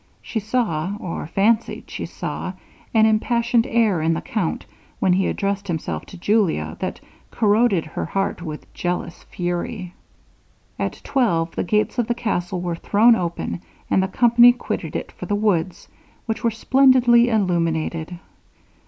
She saw, or fancied she saw, an impassioned air in the count, when he addressed himself to Julia, that corroded her heart with jealous fury. At twelve the gates of the castle were thrown open, and the company quitted it for the woods, which were splendidly illuminated.